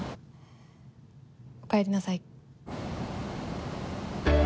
おかえりなさい。